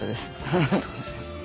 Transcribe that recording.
ありがとうございます。